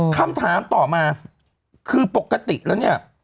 คำถามต่อมาคือปกติแล้วเนี่ย